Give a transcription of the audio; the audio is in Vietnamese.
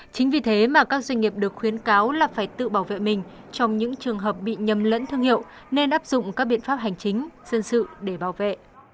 chính vì thế mà các doanh nghiệp được khuyến cáo là phải tự bảo vệ mình trong những trường hợp bị nhầm lẫn thương hiệu nên áp dụng các biện pháp hành chính dân sự để bảo vệ